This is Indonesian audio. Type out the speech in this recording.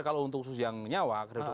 kalau untuk khusus yang nyawa